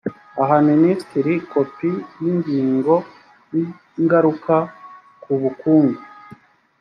aha minisitiri kopi yinyigo y’ingaruka ku bukungu